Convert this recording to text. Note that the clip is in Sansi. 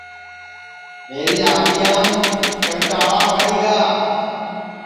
میری اَڈؔیام کنٹاݪا ٻڑی گا